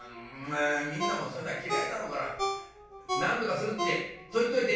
みんなもそういうのは嫌いだろうからなんとかするってそう言っといて」。